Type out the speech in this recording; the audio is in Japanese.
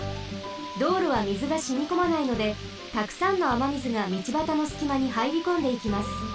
道路はみずがしみこまないのでたくさんのあまみずが道ばたのすきまにはいりこんでいきます。